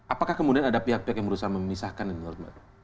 apakah kemudian ada pihak pihak yang berusaha memisahkan ini